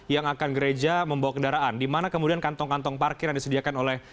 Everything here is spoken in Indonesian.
yang akan gereja membawa kendaraan di mana kemudian kantong kantong parkir yang disediakan oleh